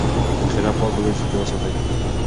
ذخیره پاک لوښي کې وساتئ.